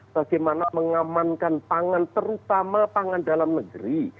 bagaimana mengamankan pangan terutama pangan dalam negeri